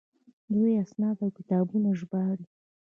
دوی اسناد او کتابونه ژباړي.